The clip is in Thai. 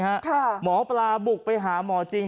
หมอปลาบุกไปหาหมอจริง